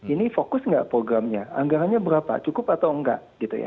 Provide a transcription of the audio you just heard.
ini fokus nggak programnya anggarannya berapa cukup atau enggak gitu ya